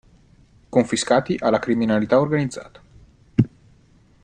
Confiscati alla criminalità organizzata.